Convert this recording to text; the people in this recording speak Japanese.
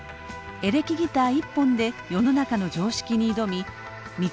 エレキギター一本で世の中の常識に挑み道